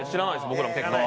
僕らも結果。